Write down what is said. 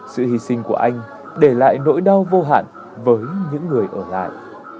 sự hy sinh của anh để lại nỗi đau vô hạn với những người ở lại